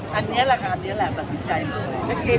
ก็อันนี้แหละอันนี้แหละก็ตึดใจมาก